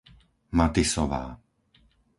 Matysová